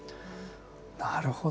なるほど。